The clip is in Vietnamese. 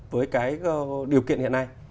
với cái điều kiện hiện nay